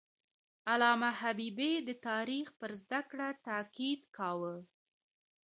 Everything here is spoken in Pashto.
علامه حبیبي د تاریخ پر زده کړه تاکید کاوه.